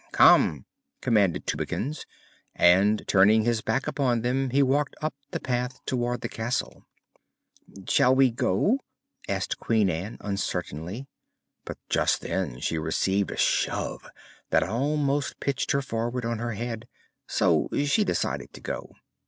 "Come!" commanded Tubekins, and turning his back upon them he walked up the path toward the castle. "Shall we go?" asked Queen Ann, uncertainly; but just then she received a shove that almost pitched her forward on her head; so she decided to go.